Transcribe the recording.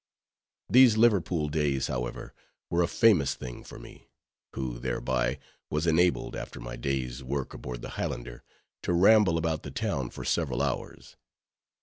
These Liverpool days, however, were a famous thing for me; who, thereby, was enabled after my day's work aboard the Highlander, to ramble about the town for several hours.